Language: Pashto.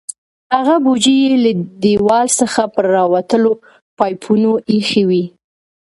هغه بوجۍ یې له دیوال څخه پر راوتلو پایپونو ایښې وې.